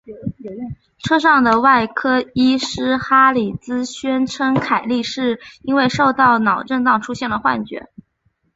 车上的外科医师哈里兹宣称凯莉是因为受到脑震荡而出现了幻觉。